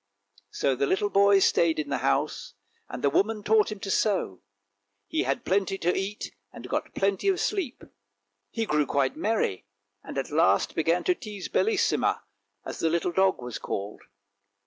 " So the little boy stayed in the house, and the woman taught him to sew; he had plenty to eat, and got plenty of sleep. He grew quite merry, and at last began to tease Bellissima, as the little dog was called.